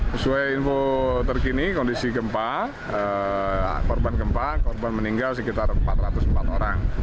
sesuai info terkini kondisi gempa korban gempa korban meninggal sekitar empat ratus empat orang